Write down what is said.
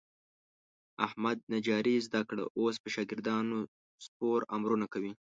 احمد نجاري زده کړه. اوس په شاګردانو سپور امرونه کوي.